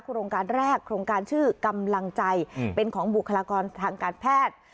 โครงการแรกโครงการชื่อกำลังใจเป็นของบุคลากรทางการแพทย์